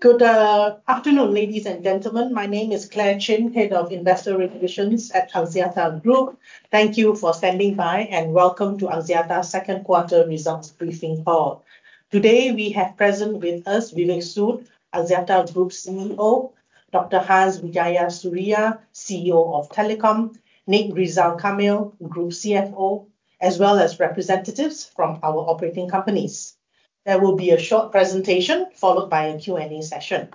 Good afternoon, ladies and gentlemen. My name is Clare Chin, Head of Investor Relations at Axiata Group. Thank you for standing by, and welcome to Axiata's second quarter results briefing call. Today, we have present with us Vivek Sood, Axiata Group's CEO; Dr. Hans Wijayasuriya, CEO of Telecom; Nik Rizal Kamil, Group CFO; as well as representatives from our operating companies. There will be a short presentation, followed by a Q&A session.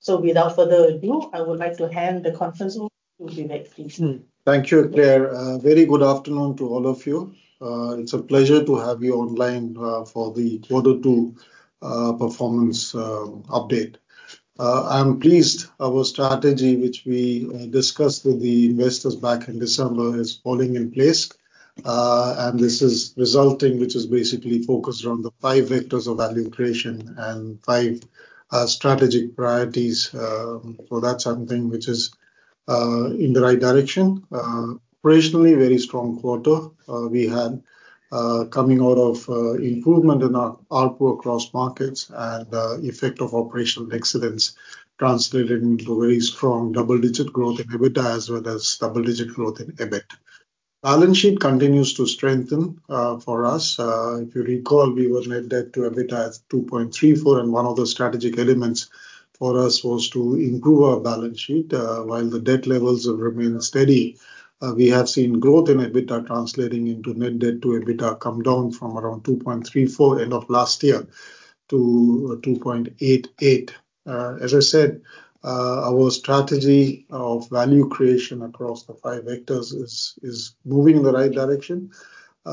So without further ado, I would like to hand the conference over to Vivek, please. Thank you, Clare. Very good afternoon to all of you. It's a pleasure to have you online for the quarter two performance update. I'm pleased our strategy, which we discussed with the investors back in December, is falling in place, and this is resulting, which is basically focused around the five vectors of value creation and five strategic priorities, so that's something which is in the right direction. Operationally, very strong quarter. We had coming out of improvement in our ARPU across markets and effect of operational excellence translated into a very strong double-digit growth in EBITDA, as well as double-digit growth in EBIT. Balance sheet continues to strengthen for us. If you recall, we were net debt to EBITDA is 2.34, and one of the strategic elements for us was to improve our balance sheet. While the debt levels remain steady, we have seen growth in EBITDA translating into net debt to EBITDA come down from around 2.34 end of last year to 2.88. As I said, our strategy of value creation across the five vectors is moving in the right direction.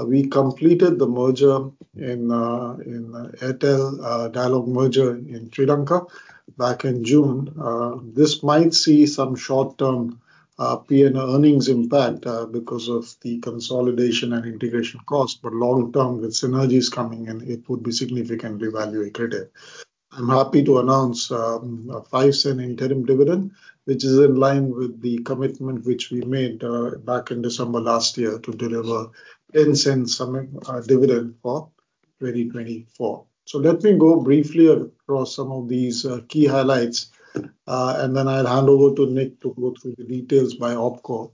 We completed the merger in Airtel, Dialog merger in Sri Lanka back in June. This might see some short-term P&L and earnings impact because of the consolidation and integration cost, but long term, with synergies coming in, it would be significantly value accretive. I'm happy to announce a 0.05 interim dividend, which is in line with the commitment which we made back in December last year, to deliver 0.10 sum dividend for 2024. So let me go briefly across some of these key highlights, and then I'll hand over to Nik to go through the details by OpCo.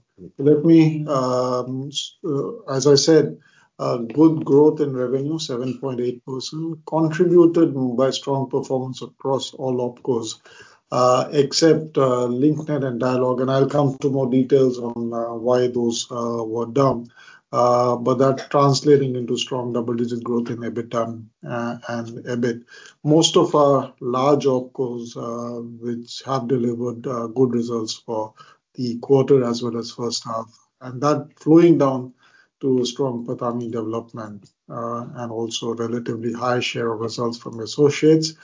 As I said, good growth in revenue, 7.8%, contributed by strong performance across all OpCos, except Link Net and Dialog, and I'll come to more details on why those were down. But that translating into strong double-digit growth in EBITDA and EBIT. Most of our large OpCos, which have delivered good results for the quarter, as well as first half, and that flowing down to a strong PATAMI development, and also relatively high share of results from associates,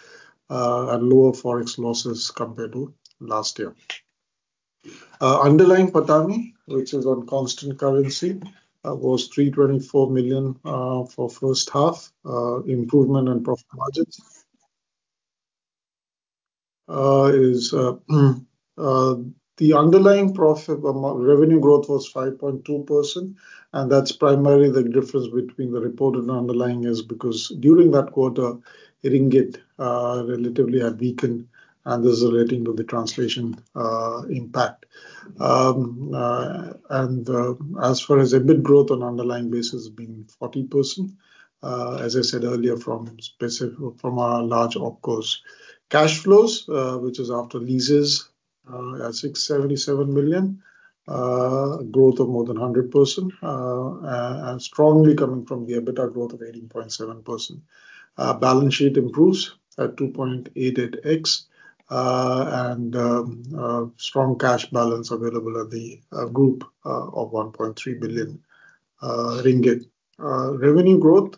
and lower Forex losses compared to last year. Underlying PATAMI, which is on constant currency, was MYR 324 million for first half. Improvement in profit margins is the underlying revenue growth was 5.2%, and that's primarily the difference between the reported and underlying is because during that quarter, ringgit relatively had weakened, and there's a resultant translation impact. And as far as EBIT growth on underlying basis being 40%, as I said earlier, from our large OpCos. Cash flows, which is after leases, at 677 million, growth of more than 100%, and strongly coming from the EBITDA growth of 18.7%. Balance sheet improves at 2.8x, and strong cash balance available at the group of 1.3 billion ringgit. Revenue growth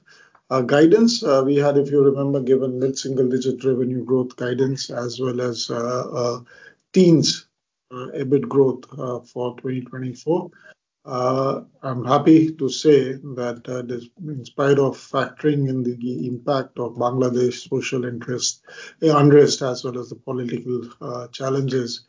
guidance, we had, if you remember, given mid-single digit revenue growth guidance as well as teens EBIT growth for 2024. I'm happy to say that, despite of factoring in the impact of Bangladesh social unrest, as well as the political challenges,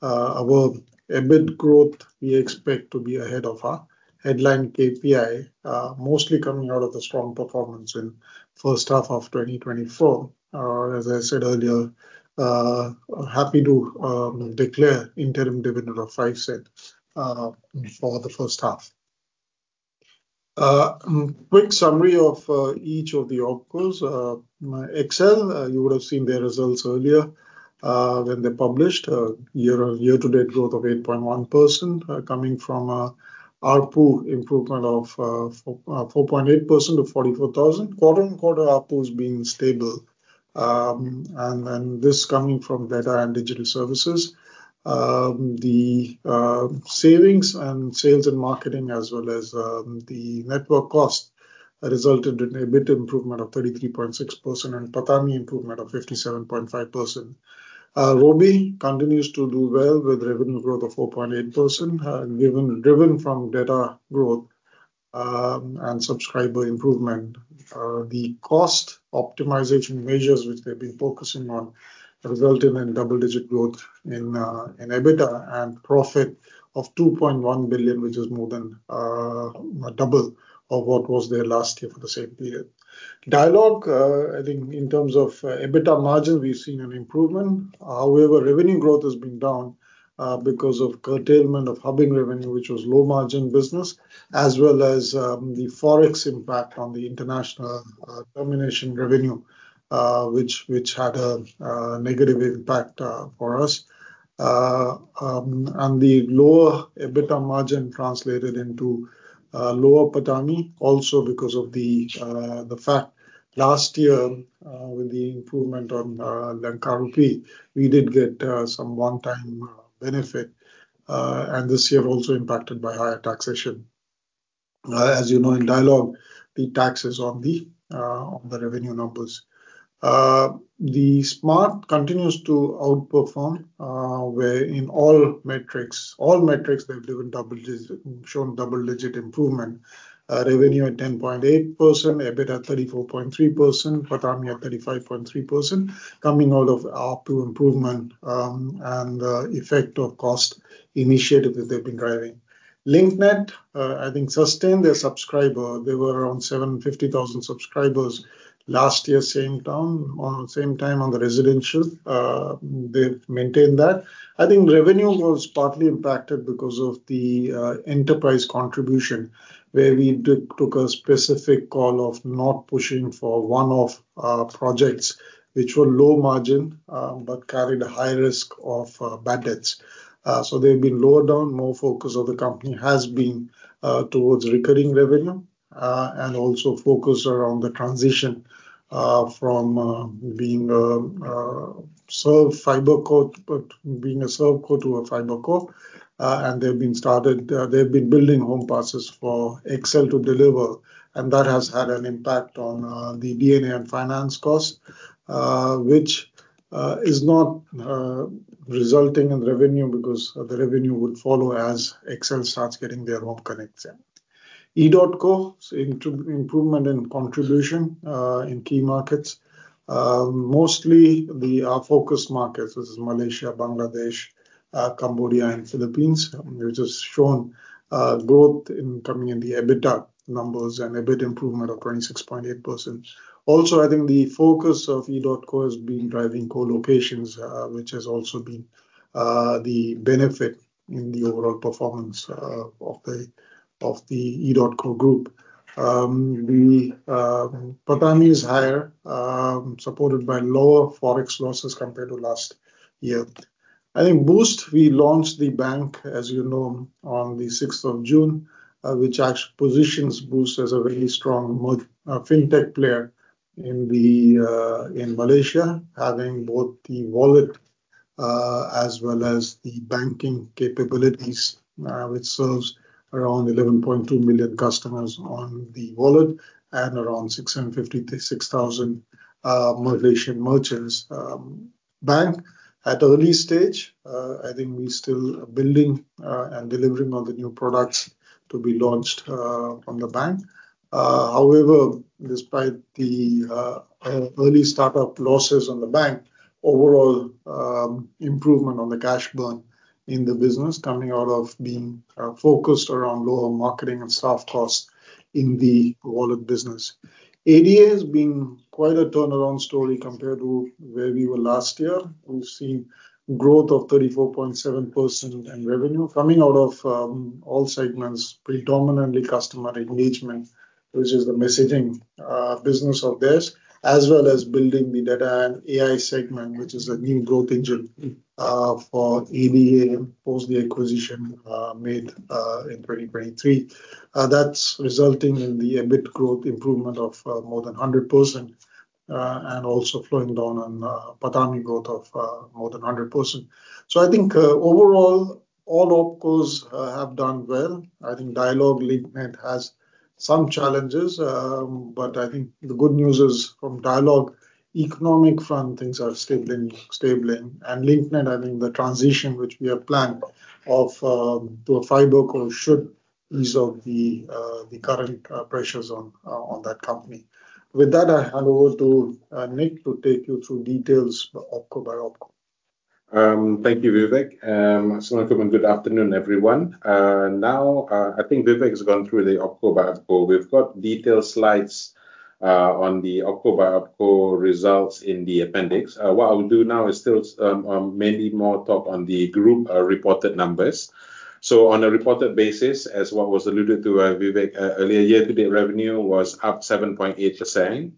our EBIT growth, we expect to be ahead of our headline KPI, mostly coming out of the strong performance in first half of 2024. As I said earlier, happy to declare interim dividend of 0.05 for the first half. Quick summary of each of the OpCos. XL, you would have seen their results earlier when they published year-to-date growth of 8.1% coming from an ARPU improvement of 4.8% to 44,000. Quarter-on-quarter, ARPU is being stable, and this coming from data and digital services. The savings and sales and marketing, as well as the network cost, resulted in an EBITDA improvement of 33.6% and PATAMI improvement of 57.5%. Robi continues to do well with revenue growth of 4.8%, given driven from data growth, and subscriber improvement. The cost optimization measures which they've been focusing on, resulting in double-digit growth in EBITDA and profit of 2.1 billion, which is more than double of what was there last year for the same period. Dialog, I think in terms of EBITDA margin, we've seen an improvement. However, revenue growth has been down because of curtailment of hubbing revenue, which was low-margin business, as well as the Forex impact on the international termination revenue, which had a negative impact for us. And the lower EBITDA margin translated into lower PATAMI, also because of the fact last year with the improvement on the currency, we did get some one-time benefit, and this year also impacted by higher taxation. As you know, in Dialog, the tax is on the revenue numbers. The Smart continues to outperform, where in all metrics, they've shown double-digit improvement. Revenue at 10.8%, EBITDA 34.3%, PATAMI at 35.3%, coming out of ARPU improvement, and effect of cost initiatives that they've been driving. Link Net, I think, sustained their subscribers. They were around 750,000 subscribers last year, same time on the residential. They've maintained that. I think revenue was partly impacted because of the enterprise contribution, where we did took a specific call of not pushing for one-off projects which were low margin, but carried a high risk of bad debts. So they've been lowered down. More focus of the company has been towards recurring revenue, and also focus around the transition from being a served fiber co-- being a ServeCo to a FiberCo. And they've been started... they've been building home passes for XL to deliver, and that has had an impact on the D&A and finance costs, which is not resulting in revenue because the revenue would follow as XL starts getting their home connects in. EDOTCO, so inter-improvement in contribution in key markets. Mostly the focus markets, which is Malaysia, Bangladesh, Cambodia and Philippines, which has shown growth in coming in the EBITDA numbers and EBIT improvement of 26.8%. Also, I think the focus of EDOTCO has been driving co-locations, which has also been the benefit in the overall performance of the EDOTCO group. The PATAMI is higher, supported by lower Forex losses compared to last year. I think Boost, we launched the bank, as you know, on the 6th of June, which positions Boost as a really strong fintech player in Malaysia, having both the wallet as well as the banking capabilities, which serves around 11.2 million customers on the wallet and around 656,000 Malaysian merchants. Bank at early stage, I think we still are building and delivering on the new products to be launched on the bank. However, despite the early start-up losses on the bank, overall improvement on the cash burn in the business coming out of being focused around lower marketing and staff costs in the wallet business. ADA has been quite a turnaround story compared to where we were last year. We've seen growth of 34.7% in revenue coming out of all segments, predominantly customer engagement, which is the messaging business of theirs, as well as building the data and AI segment, which is a new growth engine for ADA post the acquisition made in 2023. That's resulting in the EBIT growth improvement of more than 100%, and also flowing down on PATAMI growth of more than 100%. So I think, overall, all OpCos have done well. I think Dialog, Link Net has some challenges, but I think the good news is from Dialog, economic front, things are stabilizing. And Link Net, I think the transition which we have planned to a FiberCo should resolve the current pressures on that company. With that, I hand over to Nik to take you through details OpCo by OpCo. Thank you, Vivek. Selamat and good afternoon, everyone. Now, I think Vivek has gone through the OpCo by OpCo. We've got detailed slides on the OpCo by OpCo results in the appendix. What I will do now is still mainly more talk on the group reported numbers. On a reported basis, as what was alluded to, Vivek, earlier, year-to-date revenue was up 7.8%,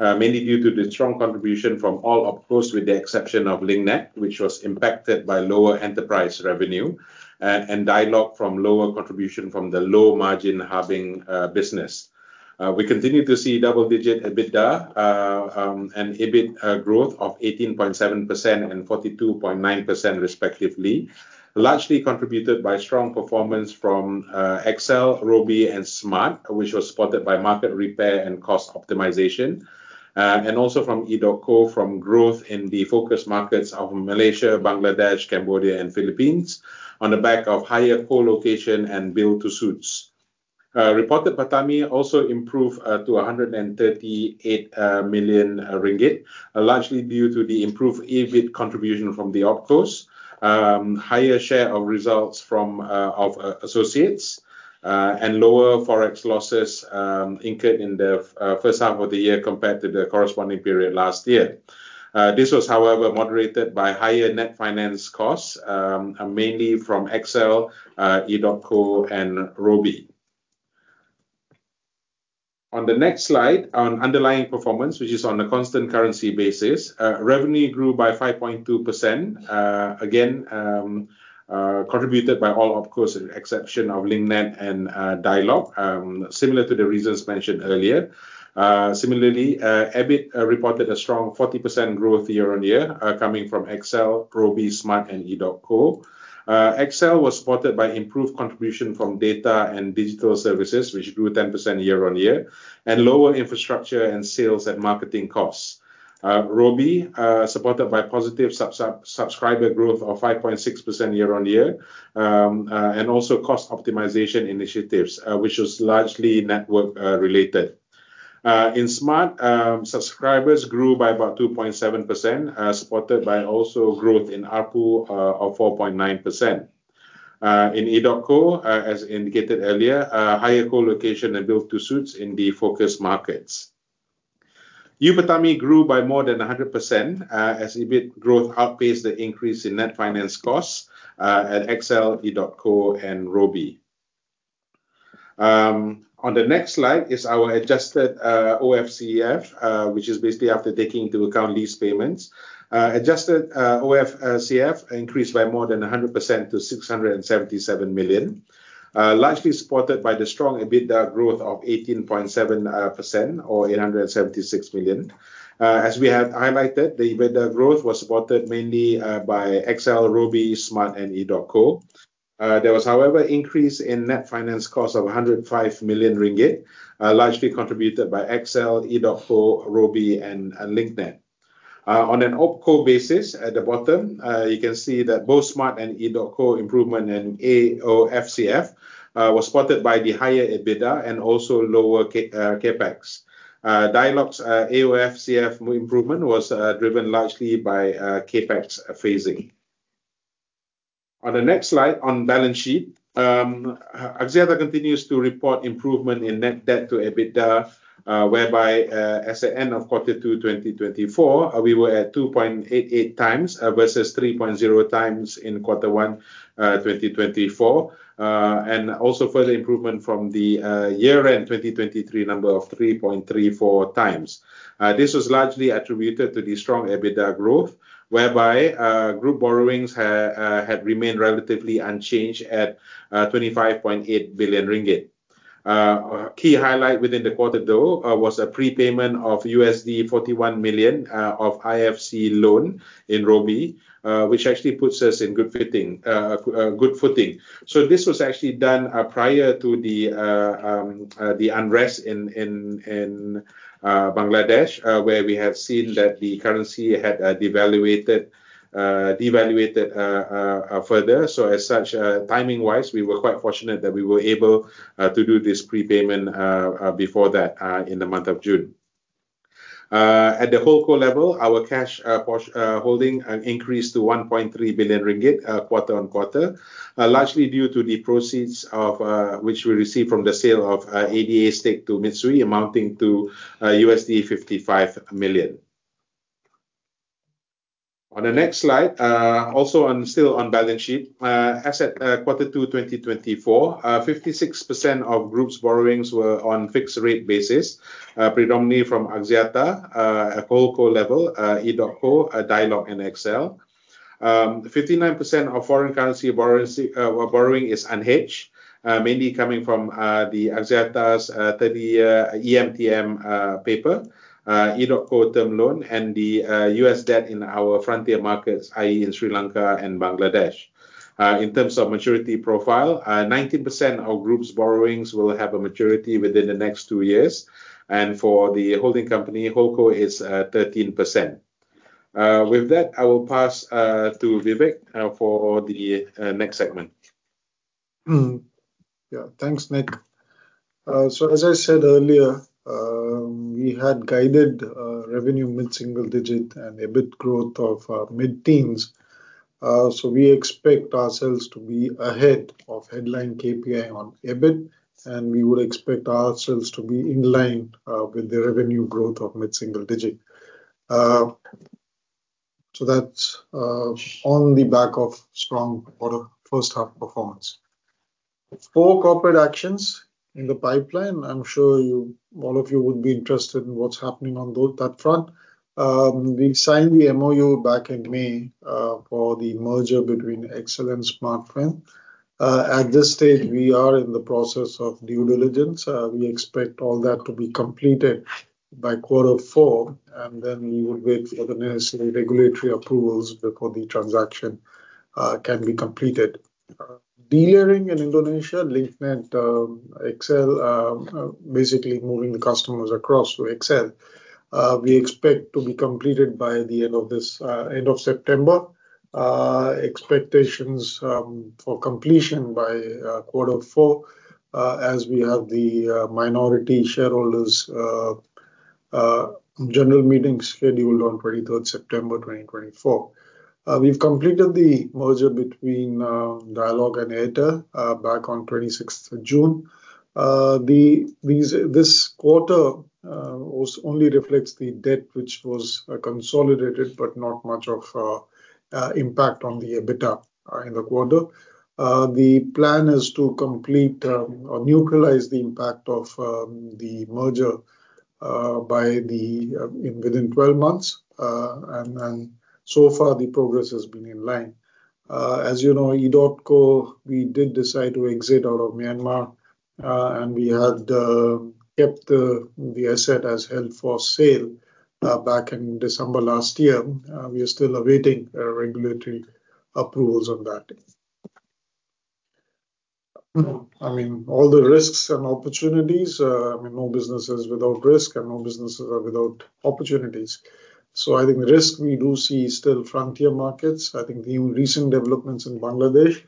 mainly due to the strong contribution from all OpCos, with the exception of Link Net, which was impacted by lower enterprise revenue and Dialog from lower contribution from the low-margin hubbing business. We continue to see double-digit EBITDA and EBIT growth of 18.7% and 42.9% respectively, largely contributed by strong performance from XL, Robi and Smart, which was spotted by market repair and cost optimization. And also from EDOTCO, from growth in the focus markets of Malaysia, Bangladesh, Cambodia and Philippines on the back of higher co-location and build-to-suit. Reported PATAMI also improved to 238 million ringgit, largely due to the improved EBIT contribution from the OpCos, higher share of results from associates and lower Forex losses incurred in the first half of the year compared to the corresponding period last year. This was, however, moderated by higher net finance costs, mainly from XL, EDOTCO, and Robi. On the next slide, on underlying performance, which is on a constant currency basis, revenue grew by 5.2%. Again, contributed by all, of course, in exception of Link Net and Dialog, similar to the reasons mentioned earlier. Similarly, EBIT reported a strong 40% growth year-on-year, coming from XL, Robi, Smart and EDOTCO. XL was supported by improved contribution from data and digital services, which grew 10% year-on-year, and lower infrastructure and sales and marketing costs. Robi supported by positive subscriber growth of 5.6% year-on-year. And also cost optimization initiatives, which was largely network related. In Smart, subscribers grew by about 2.7%, supported by also growth in ARPU of 4.9%. In EDOTCO, as indicated earlier, higher co-location and build-to-suits in the focused markets. EBIT margin grew by more than 100%, as EBIT growth outpaced the increase in net finance costs at XL, EDOTCO and Robi. On the next slide is our adjusted AOFCF, which is basically after taking into account lease payments. Adjusted AOFCF increased by more than 100% to 677 million. Largely supported by the strong EBITDA growth of 18.7% or 876 million. As we have highlighted, the EBITDA growth was supported mainly by XL, Robi, Smart, and EDOTCO. There was, however, increase in net finance cost of 105 million ringgit, largely contributed by XL, EDOTCO, Robi and Link Net. On an OpCo basis, at the bottom, you can see that both Smart and EDOTCO improvement in AOFCF was spotted by the higher EBITDA and also lower CapEx. Dialog's AOFCF improvement was driven largely by CapEx phasing. On the next slide, on balance sheet, Axiata continues to report improvement in net debt to EBITDA, whereby, as at end of quarter two, 2024, we were at 2.88x, versus 3.0x in quarter one, 2024, and also further improvement from the year-end 2023 number of 3.34x. This was largely attributed to the strong EBITDA growth, whereby, group borrowings had remained relatively unchanged at 25.8 billion ringgit. Key highlight within the quarter, though, was a prepayment of $41 million of IFC loan in Robi, which actually puts us in good footing. So this was actually done, prior to the unrest in Bangladesh, where we have seen that the currency had devalued further. So as such, timing-wise, we were quite fortunate that we were able to do this prepayment before that, in the month of June. At the HoldCo level, our cash holding increased to 1.3 billion ringgit quarter-on-quarter. Largely due to the proceeds, which we received from the sale of ADA stake to Mitsui, amounting to $55 million. On the next slide, also on, still on balance sheet, as at quarter two, 2024, 56% of Group's borrowings were on fixed rate basis, predominantly from Axiata at OpCo level, EDOTCO, Dialog and XL. 59% of foreign currency borrowing is unhedged, mainly coming from the Axiata's 30-year EMTN paper, EDOTCO term loan, and the U.S. debt in our frontier markets, i.e., in Sri Lanka and Bangladesh. In terms of maturity profile, 19% of Group's borrowings will have a maturity within the next two years, and for the holding company, HoldCo, is 13%. With that, I will pass to Vivek for the next segment. Yeah. Thanks, Nik. So as I said earlier, we had guided revenue mid-single digit and EBIT growth of mid-teens. So we expect ourselves to be ahead of headline KPI on EBIT, and we would expect ourselves to be in line with the revenue growth of mid-single digit. So that's on the back of strong quarter, first half performance. Four corporate actions in the pipeline. I'm sure all of you would be interested in what's happening on that front. We signed the MOU back in May for the merger between XL and Smartfren. At this stage, we are in the process of due diligence. We expect all that to be completed by quarter four, and then we will wait for the necessary regulatory approvals before the transaction can be completed. Demerging in Indonesia, Link Net, XL, basically moving the customers across to XL. We expect to be completed by the end of this end of September. Expectations for completion by quarter four, as we have the minority shareholders general meeting scheduled on 23rd September 2024. We've completed the merger between Dialog and Airtel back on 26th of June. This quarter was only reflects the debt which was consolidated, but not much of impact on the EBITDA in the quarter. The plan is to complete or neutralize the impact of the merger by within 12 months. And then, so far, the progress has been in line. As you know, EDOTCO, we did decide to exit out of Myanmar, and we had kept the asset as held for sale, back in December last year. We are still awaiting regulatory approvals on that. I mean, all the risks and opportunities, I mean, no business is without risk, and no business is without opportunities. So I think risk we do see still frontier markets. I think the recent developments in Bangladesh,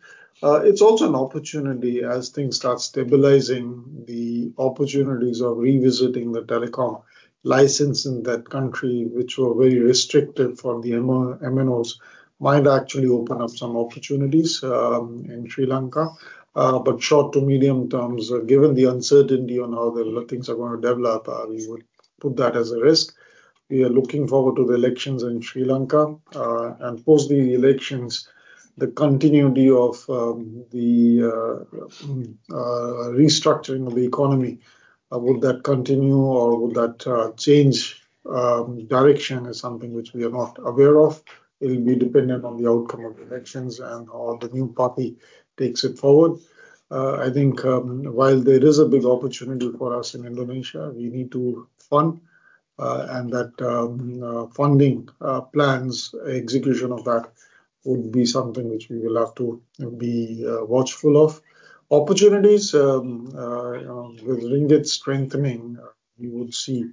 it's also an opportunity. As things start stabilizing, the opportunities of revisiting the telecom license in that country, which were very restricted for the MNOs, might actually open up some opportunities in Sri Lanka. But short to medium terms, given the uncertainty on how the things are going to develop, we would put that as a risk. We are looking forward to the elections in Sri Lanka. And post the elections, the continuity of the restructuring of the economy, will that continue or will that change direction is something which we are not aware of. It'll be dependent on the outcome of the elections and how the new party takes it forward. I think, while there is a big opportunity for us in Indonesia, we need to fund, and that funding plans, execution of that would be something which we will have to be watchful of. Opportunities, you know, with ringgit strengthening, we would see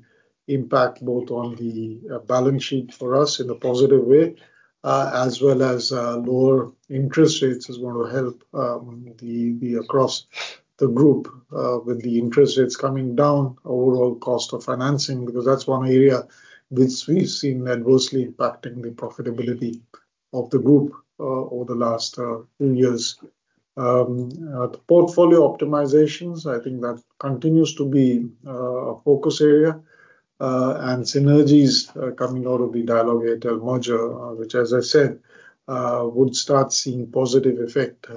impact both on the balance sheet for us in a positive way, as well as lower interest rates is going to help across the group. With the interest rates coming down, overall cost of financing, because that's one area which we've seen adversely impacting the profitability of the group over the last two years. The portfolio optimizations, I think that continues to be a focus area, and synergies coming out of the Dialog-Airtel merger, which, as I said, would start seeing positive effect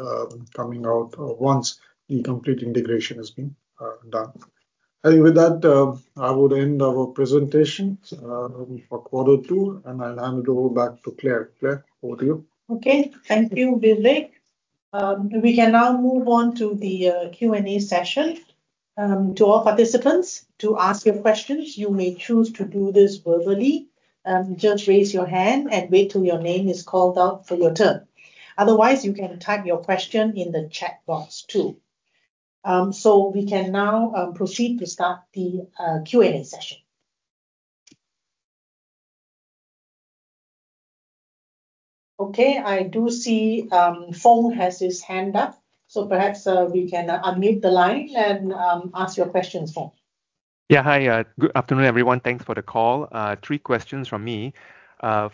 coming out once the complete integration has been done. I think with that, I would end our presentation for quarter two, and I'll hand it over back to Clare. Clare, over to you. Okay. Thank you, Vivek. We can now move on to the Q&A session. To all participants, to ask your questions, you may choose to do this verbally. Just raise your hand and wait till your name is called out for your turn. Otherwise, you can type your question in the chat box, too. So we can now proceed to start the Q&A session. Okay, I do see Foong has his hand up, so perhaps we can unmute the line and ask your questions, Foong. Yeah. Hi, good afternoon, everyone. Thanks for the call. Three questions from me.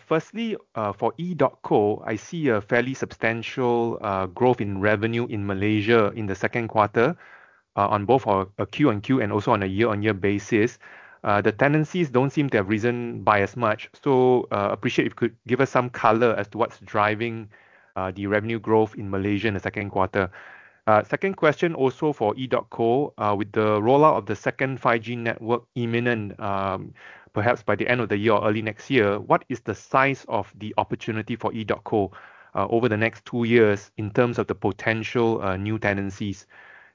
Firstly, for EDOTCO, I see a fairly substantial growth in revenue in Malaysia in the second quarter, on both a QoQ and also on a year-on-year basis. The tenancies don't seem to have risen by as much. So, appreciate if you could give us some color as to what's driving the revenue growth in Malaysia in the second quarter. Second question also for EDOTCO, with the rollout of the second 5G network imminent, perhaps by the end of the year or early next year, what is the size of the opportunity for EDOTCO, over the next two years in terms of the potential new tenancies?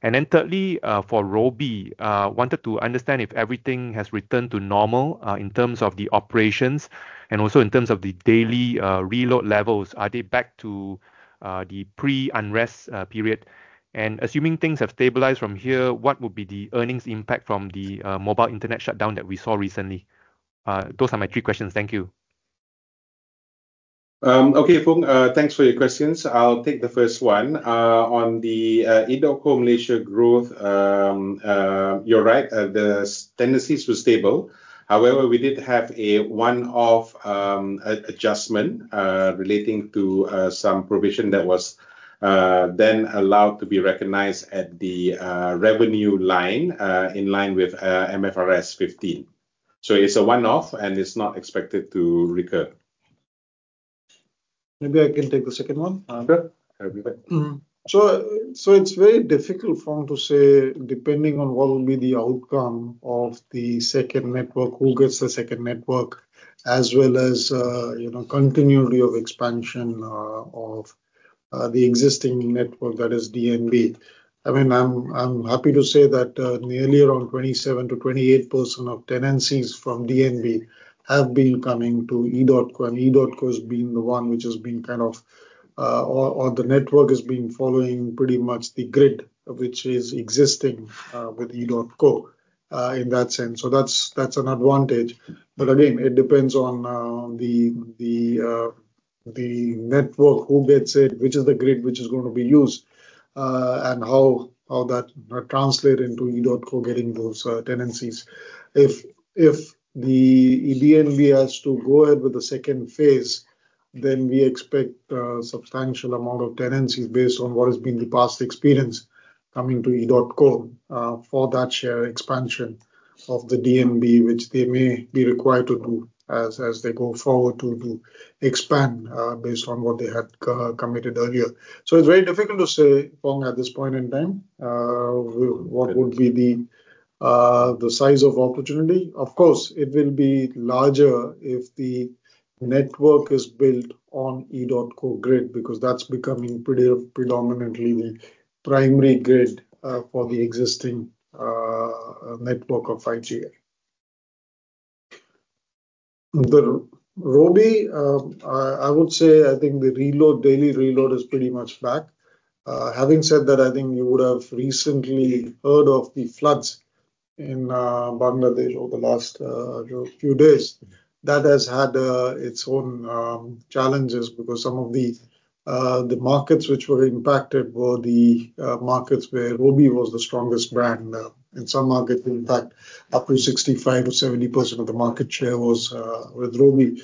And then thirdly, for Robi, wanted to understand if everything has returned to normal, in terms of the operations and also in terms of the daily reload levels. Are they back to the pre-unrest period? And assuming things have stabilized from here, what would be the earnings impact from the mobile internet shutdown that we saw recently? Those are my three questions. Thank you. Okay, Foong, thanks for your questions. I'll take the first one. On the EDOTCO Malaysia growth, you're right, the tenancies were stable. However, we did have a one-off adjustment relating to some provision that was then allowed to be recognized at the revenue line in line with MFRS 15. So it's a one-off, and it's not expected to recur. Maybe I can take the second one, Sure. Happy with that. Mm-hmm. So it's very difficult for me to say, depending on what will be the outcome of the second network, who gets the second network, as well as, you know, continuity of expansion of the existing network that is DNB. I mean, I'm happy to say that nearly around 27%-28% of tenancies from DNB have been coming to EDOTCO, and EDOTCO has been the one which has been kind of or the network has been following pretty much the grid which is existing with EDOTCO in that sense. So that's an advantage. But again, it depends on the network, who gets it, which is the grid which is going to be used and how that translate into EDOTCO getting those tenancies. If the DNB has to go ahead with the second phase, then we expect a substantial amount of tenancies based on what has been the past experience coming to EDOTCO, for that share expansion of the DNB, which they may be required to do as they go forward to expand, based on what they had committed earlier. So it's very difficult to say, Foong, at this point in time, what would be the size of opportunity. Of course, it will be larger if the network is built on EDOTCO grid, because that's becoming pretty predominantly the primary grid, for the existing network of 5G. The Robi, I would say, I think the reload, daily reload is pretty much back. Having said that, I think you would have recently heard of the floods in Bangladesh over the last few days. That has had its own challenges because some of the markets which were impacted were the markets where Robi was the strongest brand. In some markets, in fact, up to 65%-70% of the market share was with Robi.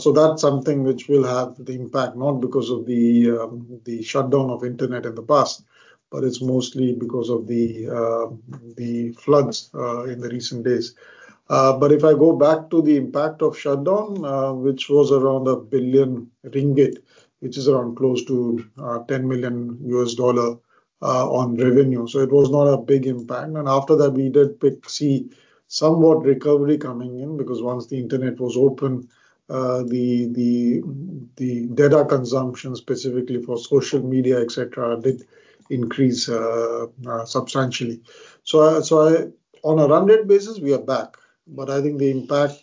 So that's something which will have the impact, not because of the shutdown of internet in the past, but it's mostly because of the floods in the recent days. But if I go back to the impact of shutdown, which was around 1 billion ringgit, which is around close to $10 million on revenue. So it was not a big impact. After that, we did pick, see somewhat recovery coming in, because once the internet was open, the data consumption, specifically for social media, et cetera, did increase substantially. So I... On a run rate basis, we are back, but I think the impact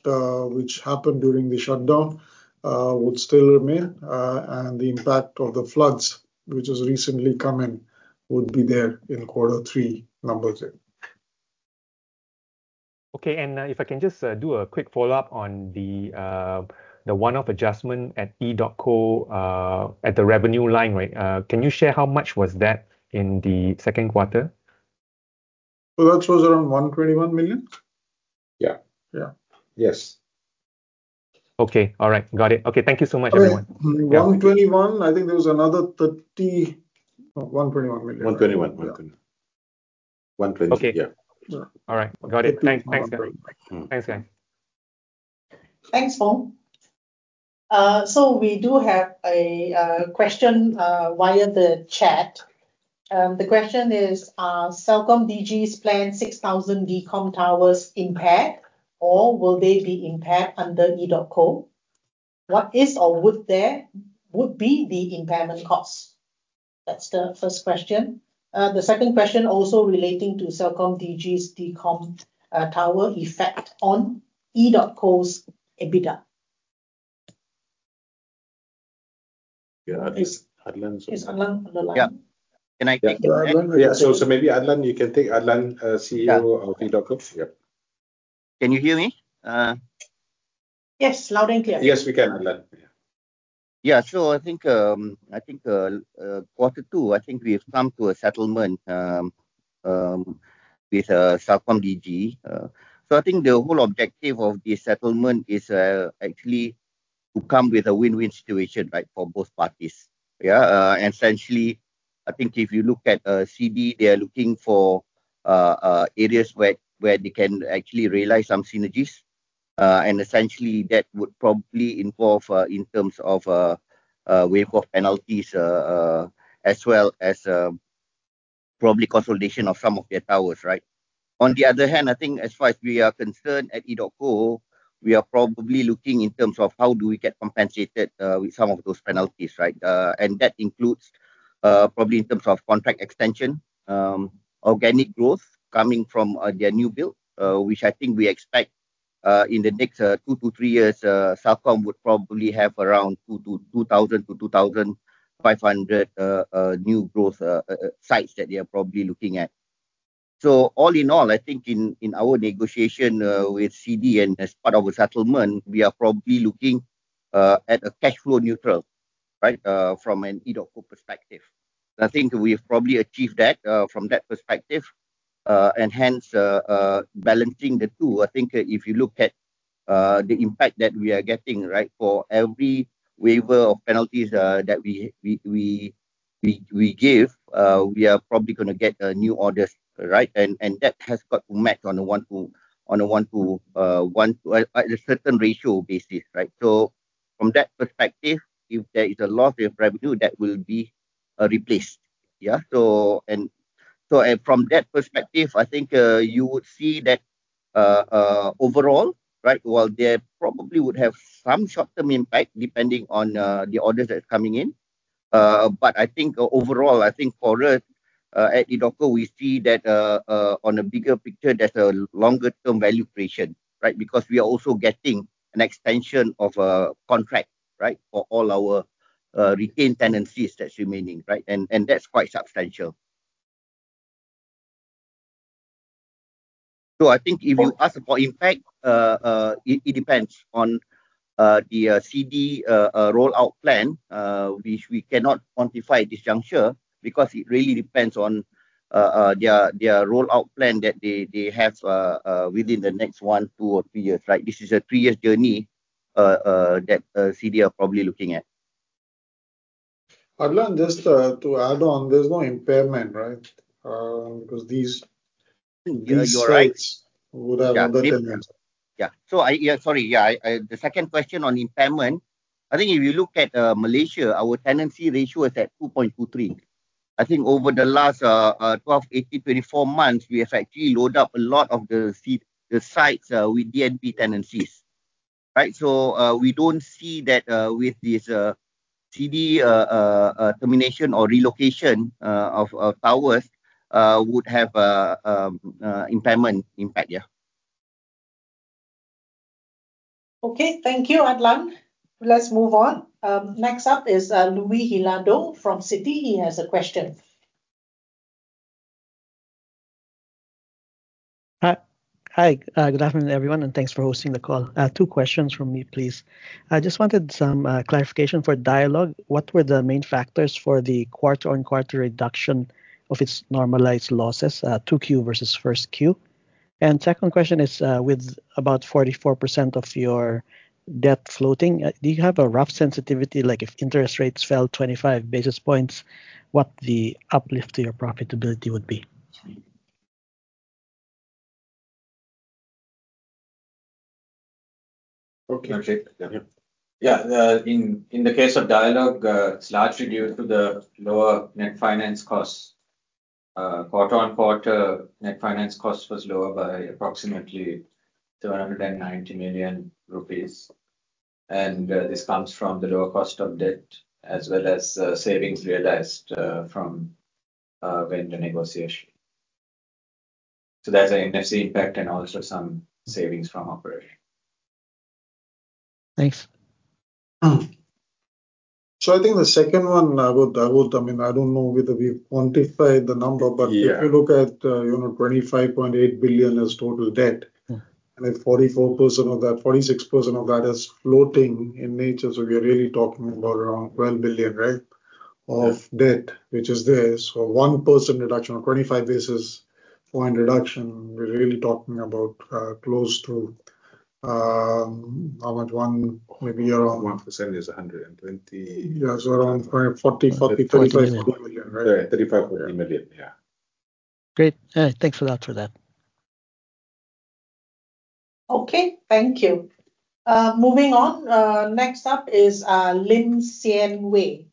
which happened during the shutdown would still remain, and the impact of the floods, which has recently come in, would be there in quarter three numbers. Okay. And, if I can just do a quick follow-up on the one-off adjustment at EDOTCO, at the revenue line, right? Can you share how much was that in the second quarter? That was around 121 million. Yeah. Yeah. Yes. Okay. All right. Got it. Okay, thank you so much, everyone. 121. I think there was another 30.. 121 million. 121. Yeah. 120- Okay. Yeah. Yeah. All right. Got it. Thanks. Thanks, guys. Thanks, Foong. So we do have a question via the chat. The question is: CelcomDigi's plan 6000 decom towers impaired, or will they be impaired under EDOTCO? What is or would there, would be the impairment cost? That's the first question. The second question also relating to CelcomDigi's decom, tower effect on EDOTCO's EBITDA. Yeah, I think Adlan- Yes, Adlan on the line. Yeah. Can I- Yeah. So, so maybe, Adlan, you can take Adlan, CEO of EDOTCO. Yeah. Can you hear me? Yes, loud and clear. Yes, we can, Adlan. Yeah. Yeah. So I think quarter two, I think we've come to a settlement with CelcomDigi. So I think the whole objective of this settlement is actually to come with a win-win situation, right, for both parties. Yeah. Essentially, I think if you look at CD, they are looking for areas where they can actually realize some synergies. And essentially, that would probably involve in terms of waiver of penalties as well as probably consolidation of some of their towers, right? On the other hand, I think as far as we are concerned at EDOTCO, we are probably looking in terms of how do we get compensated with some of those penalties, right? And that includes, probably in terms of contract extension, organic growth coming from their new build, which I think we expect in the next two to three years. Celcom would probably have around 2,000 to 2,500 new growth sites that they are probably looking at. So all in all, I think in our negotiation with CD, and as part of a settlement, we are probably looking at a cash flow neutral, right, from an EDOTCO perspective. I think we've probably achieved that from that perspective, and hence balancing the two. I think if you look at the impact that we are getting, right, for every waiver of penalties that we give, we are probably gonna get new orders, right? And that has got to match on a one-to-one at a certain ratio basis, right? So from that perspective, if there is a loss of revenue, that will be replaced. Yeah. So, and from that perspective, I think you would see that overall, right, well, there probably would have some short-term impact, depending on the orders that's coming in. But I think overall, I think for us at EDOTCO, we see that on a bigger picture, there's a longer-term value creation, right? Because we are also getting an extension of a contract, right, for all our retained tenancies that's remaining, right? And that's quite substantial. So I think if you ask about impact, it depends on the CD rollout plan, which we cannot quantify at this juncture, because it really depends on their rollout plan that they have within the next one, two, or three years, right? This is a three-year journey that CD are probably looking at. Adlan, just to add on, there's no impairment, right? Because these- You are right. These sites would have under them. Yeah. So the second question on impairment, I think if you look at Malaysia, our tenancy ratio is at 2.23. I think over the last 12, 18, 24 months, we have actually loaded up a lot of the sites with DNB tenancies. Right? So we don't see that with this CD termination or relocation of towers would have a impairment impact. Yeah. Okay. Thank you, Adlan. Let's move on. Next up is Luis Hilado from Citi. He has a question. Hi. Good afternoon, everyone, and thanks for hosting the call. Two questions from me, please. I just wanted some clarification for Dialog. What were the main factors for the quarter-on-quarter reduction of its normalized losses, 2Q versus 1Q? And second question is, with about 44% of your debt floating, do you have a rough sensitivity, like, if interest rates fell 25 basis points, what the uplift to your profitability would be? Okay. Okay. Yeah, in the case of Dialog, it's largely due to the lower net finance costs. Quarter-on-quarter, net finance cost was lower by approximately LKR 290 million. And, this comes from the lower cost of debt, as well as, savings realized from vendor negotiation. So that's a NFC impact and also some savings from operation. Thanks. So I think the second one, I would... I mean, I don't know whether we quantify the number- Yeah. but if you look at, you know, 25.8 billion is total debt. Mm. And then 44% of that, 46% of that is floating in nature. So we are really talking about around 12 billion, right- Yeah... of debt, which is there. So 1% reduction or 25 basis point reduction, we're really talking about, close to, how much? 1, maybe around- 1% is 120. Yeah, so around 40, 40, 35 million. 35, 35 million, yeah. Great. Thanks a lot for that. Okay, thank you. Moving on, next up is Lim Xian Wei.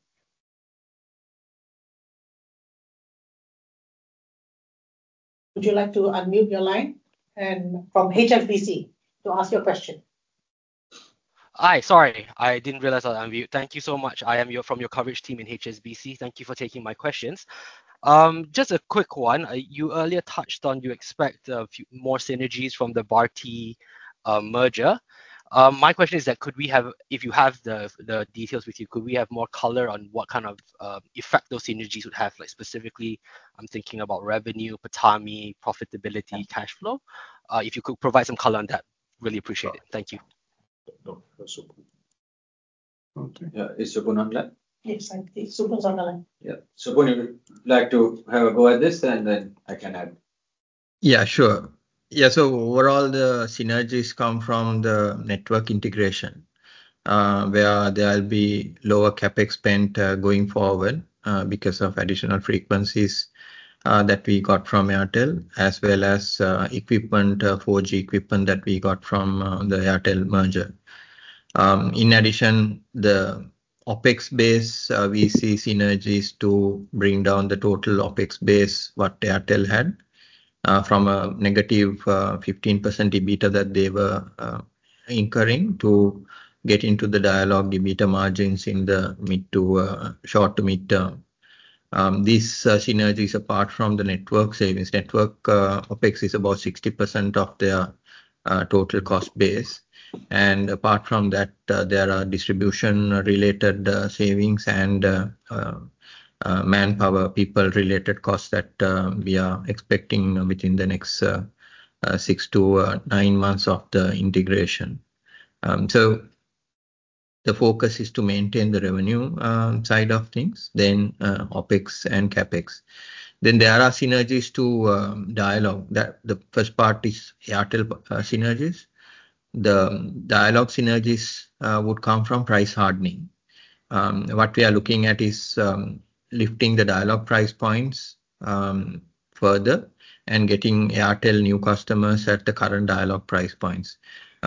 Would you like to unmute your line and from HSBC to ask your question? Hi. Sorry, I didn't realize I was on mute. Thank you so much. I am here from your coverage team in HSBC. Thank you for taking my questions. Just a quick one. You earlier touched on you expect a few more synergies from the Bharti merger. My question is that could we have... If you have the details with you, could we have more color on what kind of effect those synergies would have? Like, specifically, I'm thinking about revenue, PATAMI, profitability, cash flow. If you could provide some color on that, really appreciate it. Thank you. No, that's Supun. Okay. Yeah. Is Supun on the line? Yes, I think Supun is on the line. Yeah. Supun, you would like to have a go at this, and then I can add. Yeah, sure. Yeah, so overall, the synergies come from the network integration, where there will be lower CapEx spend, going forward, because of additional frequencies, that we got from Airtel, as well as, equipment, 4G equipment that we got from, the Airtel merger. In addition, the OpEx base, we see synergies to bring down the total OpEx base, what Airtel had, from a -15% EBITDA that they were, incurring to get into the Dialog EBITDA margins in the mid to, short to mid-term. These, synergies, apart from the network savings, network, OpEx is about 60% of their, total cost base. And apart from that, there are distribution-related savings and manpower, people-related costs that we are expecting within the next six to nine months of the integration. So the focus is to maintain the revenue side of things, then OpEx and CapEx. Then there are synergies to Dialog. The first part is Airtel synergies. The Dialog synergies would come from price hardening. What we are looking at is lifting the Dialog price points further, and getting Airtel new customers at the current Dialog price points,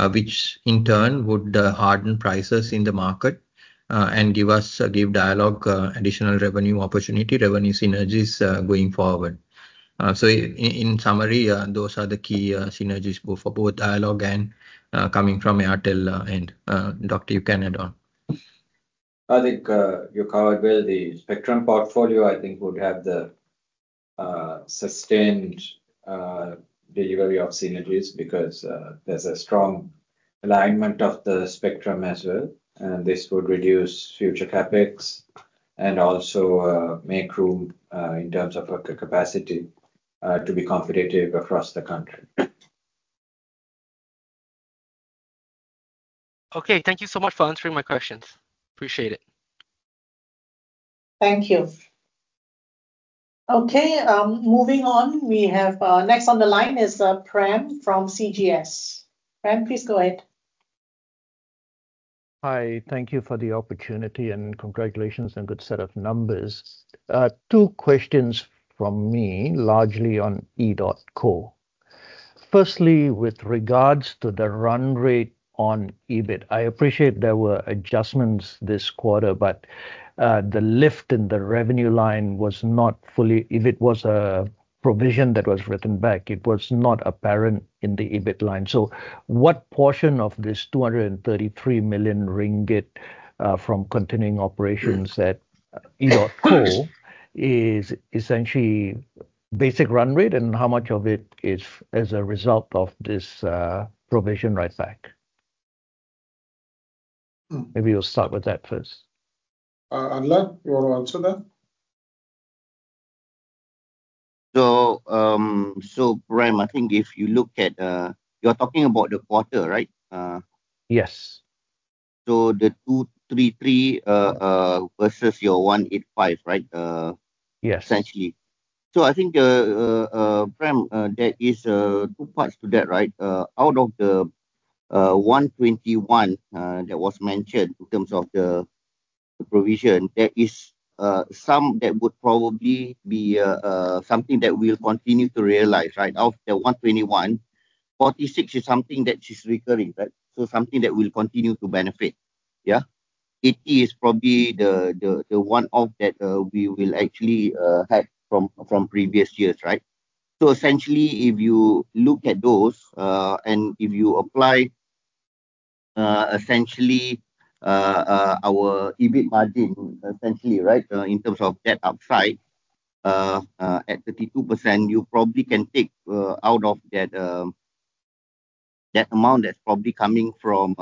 which in turn would harden prices in the market, and give us, give Dialog, additional revenue opportunity, revenue synergies going forward. In summary, those are the key synergies for both Dialog and coming from Airtel and. Dr., you can add on. I think, you covered well. The spectrum portfolio, I think, would have the sustained delivery of synergies, because there's a strong alignment of the spectrum as well, and this would reduce future CapEx.... and also, make room, in terms of our capacity, to be competitive across the country. Okay, thank you so much for answering my questions. Appreciate it. Thank you. Okay, moving on, we have next on the line is Prem from CGS. Prem, please go ahead. Hi, thank you for the opportunity, and congratulations on good set of numbers. Two questions from me, largely on EDOTCO. Firstly, with regards to the run rate on EBIT, I appreciate there were adjustments this quarter, but, the lift in the revenue line was not fully, if it was a provision that was written back, it was not apparent in the EBIT line. So what portion of this 233 million ringgit from continuing operations at EDOTCO is essentially basic run rate, and how much of it is as a result of this provision writeback? Hm. Maybe you'll start with that first. Adlan, you want to answer that? So, Prem, I think if you look at. You're talking about the quarter, right? Yes. So the 233 versus your 185, right, Yes... essentially. So I think, Prem, there is two parts to that, right? Out of the 121 that was mentioned in terms of the provision, there is some that would probably be something that we'll continue to realize, right? Out of the 121, 46 is something that is recurring, right? So something that will continue to benefit, yeah. It is probably the one-off that we will actually have from previous years, right? So essentially, if you look at those, and if you apply essentially our EBIT margin, essentially, right, in terms of that upside at 32%, you probably can take out of that that amount that's probably coming from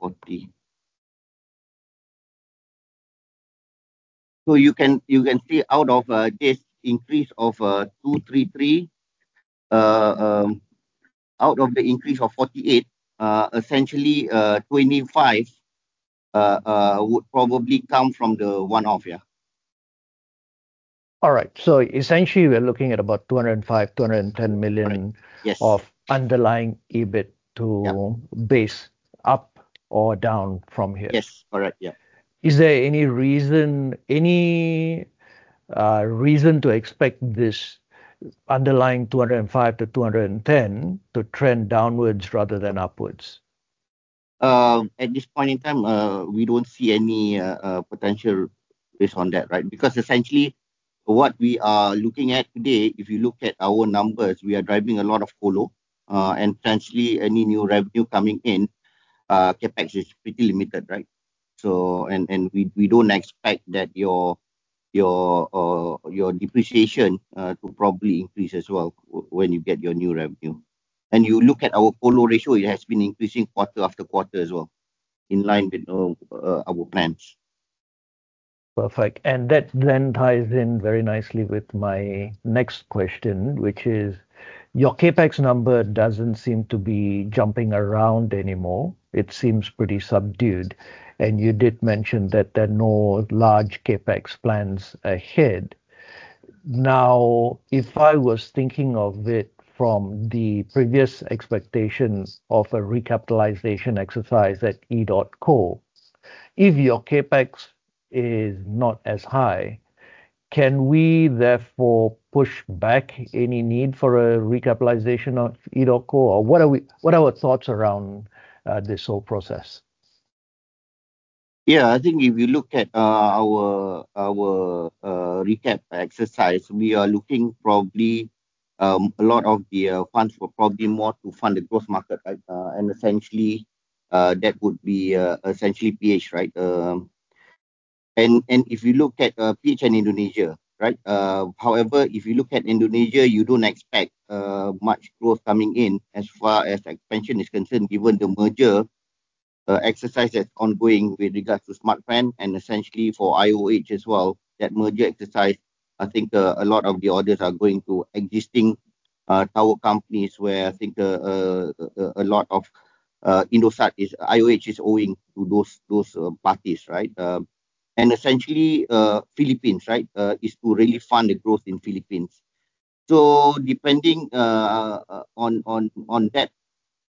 40. So you can see out of this increase of 233, out of the increase of 48, essentially 25 would probably come from the one-off, yeah. All right. So essentially, we're looking at about 205-210 million- Right. Yes... of underlying EBIT to- Yeah Base up or down from here? Yes, correct. Yeah. Is there any reason, any, reason to expect this underlying 205 to 210 to trend downwards rather than upwards? At this point in time, we don't see any potential risk on that, right? Because essentially, what we are looking at today, if you look at our numbers, we are driving a lot of colo. And essentially, any new revenue coming in, CapEx is pretty limited, right? So... And we don't expect that your depreciation to probably increase as well when you get your new revenue. And you look at our colo ratio, it has been increasing quarter after quarter as well, in line with our plans. Perfect. And that then ties in very nicely with my next question, which is, your CapEx number doesn't seem to be jumping around anymore. It seems pretty subdued, and you did mention that there are no large CapEx plans ahead. Now, if I was thinking of it from the previous expectations of a recapitalization exercise at EDOTCO, if your CapEx is not as high, can we therefore push back any need for a recapitalization of EDOTCO, or what are we- what are our thoughts around, this whole process? Yeah, I think if you look at our recap exercise, we are looking probably a lot of the funds for probably more to fund the growth market, right? And essentially that would be essentially PH, right? And if you look at PH and Indonesia, right, however, if you look at Indonesia, you don't expect much growth coming in as far as expansion is concerned, given the merger exercise that's ongoing with regards to Smartfren, and essentially for IOH as well, that merger exercise. I think a lot of the orders are going to existing tower companies where I think a lot of Indosat is, IOH is owing to those parties, right? And essentially Philippines, right, is to really fund the growth in Philippines. So depending on that,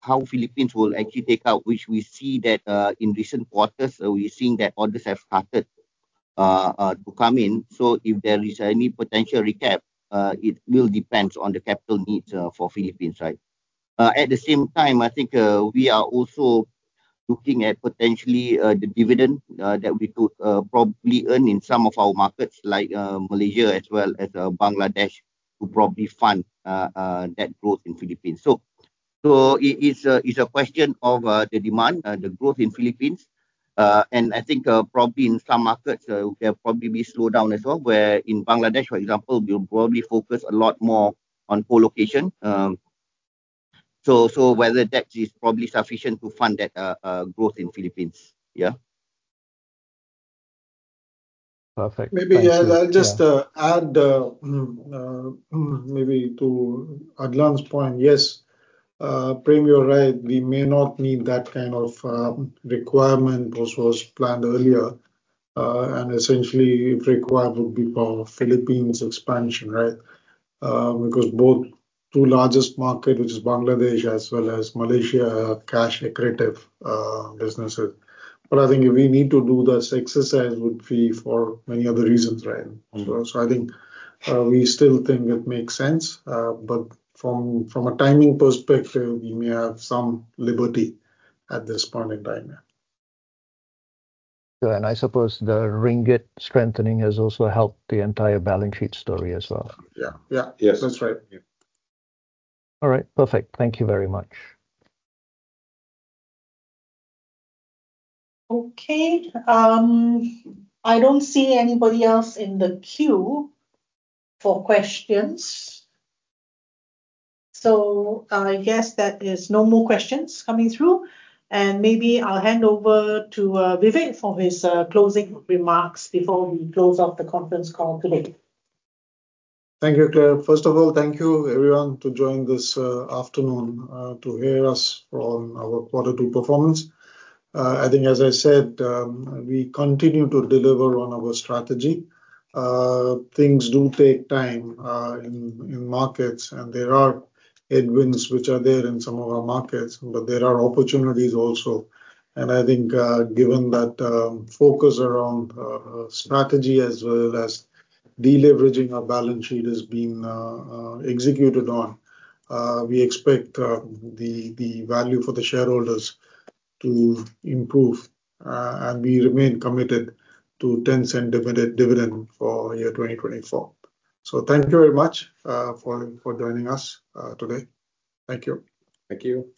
how Philippines will actually take out, which we see that in recent quarters, we're seeing that orders have started to come in. So if there is any potential recap, it will depends on the capital needs for Philippines, right? At the same time, I think we are also looking at potentially the dividend that we could probably earn in some of our markets, like Malaysia as well as Bangladesh, to probably fund that growth in Philippines. So it's a question of the demand, the growth in Philippines, and I think probably in some markets we have probably be slowed down as well, where in Bangladesh, for example, we'll probably focus a lot more on co-location. Whether debt is probably sufficient to fund that growth in Philippines. Yeah? Perfect. Maybe I'll just add to Adlan's point. Yes, Prem, you're right. We may not need that kind of requirement which was planned earlier, and essentially if required, would be for Philippines expansion, right? Because both two largest market, which is Bangladesh as well as Malaysia, are cash accretive businesses. But I think if we need to do this exercise, would be for many other reasons, right? So I think we still think it makes sense, but from a timing perspective, we may have some liberty at this point in time, yeah. I suppose the ringgit strengthening has also helped the entire balance sheet story as well. Yeah. Yeah. Yes, that's right. Yeah. All right, perfect. Thank you very much. Okay, I don't see anybody else in the queue for questions, so I guess that is no more questions coming through, and maybe I'll hand over to Vivek for his closing remarks before we close off the conference call today. Thank you, Clare. First of all, thank you everyone to join this afternoon to hear us on our quarter two performance. I think, as I said, we continue to deliver on our strategy. Things do take time in markets, and there are headwinds which are there in some of our markets, but there are opportunities also. I think, given that, focus around strategy as well as deleveraging our balance sheet is being executed on, we expect the value for the shareholders to improve. And we remain committed to 0.10 dividend for 2024. So thank you very much for joining us today. Thank you. Thank you.